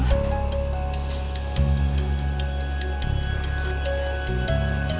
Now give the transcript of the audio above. ada pemakamannya ma